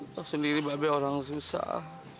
tahu sendiri babe orang susah